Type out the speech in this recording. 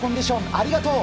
ありがとう！